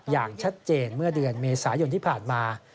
อย่างชัดเจนเมื่อเดือนเมษายนที่ผ่านมา